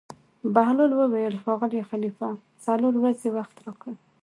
بهلول وویل: ښاغلی خلیفه څلور ورځې وخت راکړه.